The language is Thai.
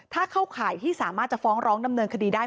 ถ้าเข้าข่ายที่สามารถจะฟ้องร้องดำเนินคดีได้